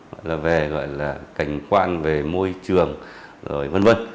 gọi là về cảnh quan về môi trường rồi v v